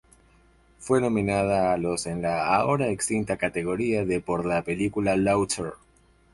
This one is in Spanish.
Fue nominado a los en la ahora extinta categoría de por la película "Laughter".